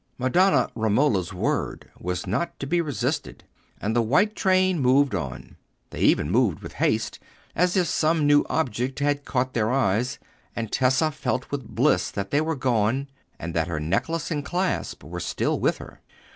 Madonna Romola's word was not to be resisted, and the white train moved on. They even moved with haste, as if some new object had caught their eyes; and Tessa felt with bliss that they were gone, and that her necklace and clasp were still with her.